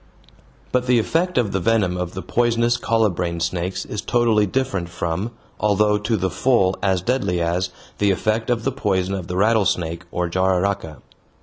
But the effect of the venom of the poisonous colubrine snakes is totally different from, although to the full as deadly as, the effect of the poison of the rattlesnake or jararaca.